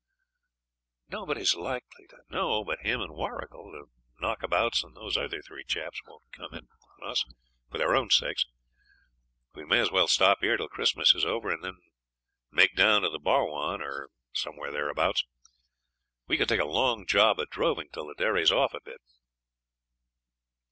'Nobody's likely to know but him and Warrigal. The knockabouts and those other three chaps won't come it on us for their own sakes. We may as well stop here till Christmas is over and then make down to the Barwon, or somewhere thereabouts. We could take a long job at droving till the derry's off a bit.'